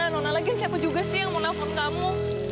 nona lagi siapa juga sih yang mau nelfon kamu